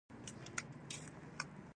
د کار او زیار ارزښت باید زده کړو.